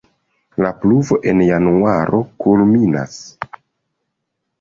La pluvo en januaro kulminas.